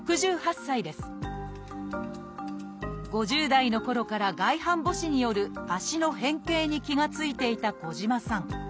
５０代のころから外反母趾による足の変形に気が付いていた児島さん。